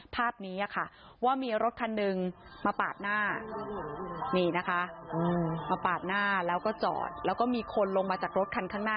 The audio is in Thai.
ภาพนี้ค่ะว่ามีรถคันหนึ่งมาปาดหน้านี่นะคะมาปาดหน้าแล้วก็จอดแล้วก็มีคนลงมาจากรถคันข้างหน้า